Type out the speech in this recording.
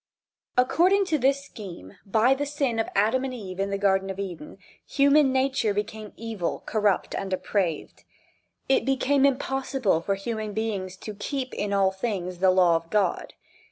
According to this "scheme," by the sin of Adam and Eve in the Garden of Eden, human nature became evil, corrupt and depraved. It became impossible for human beings to keep, in all things, the law of God.